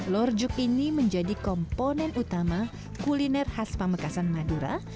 lorjuk ini menjadi komponen utama kuliner khas pamekasan madura